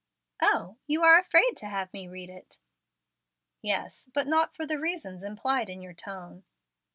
"O, you are afraid to have me read it." "Yes; but not for the reasons implied in your tone."